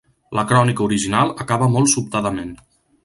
La crònica original acaba molt sobtadament.